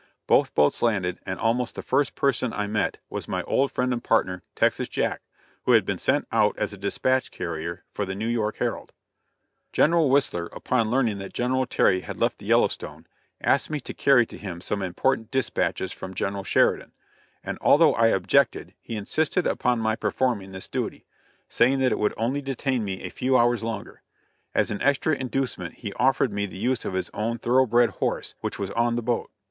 Both boats landed, and almost the first person I met was my old friend and partner, Texas Jack, who had been sent out as a dispatch carrier for the New York Herald. General Whistler, upon learning that General Terry had left the Yellowstone, asked me to carry to him some important dispatches from General Sheridan, and although I objected, he insisted upon my performing this duty, saying that it would only detain me a few hours longer; as an extra inducement he offered me the use of his own thorough bred horse, which was on the boat.